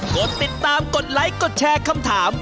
กดติดตามกดไลค์กดแชร์คำถาม